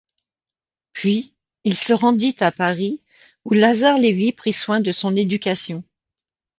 Puis, il se rendit à Paris, où Lazare Lévy prit soin de son éducation.